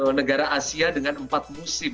negara asia dengan empat musim